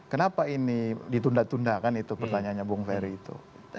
kenapa ini ditunda tunda kan itu pertanyaannya bung ferry itu